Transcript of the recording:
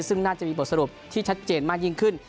ซึ่งน่าจะมีบทสรุปที่ชัดเจนมากยิ่งขึ้น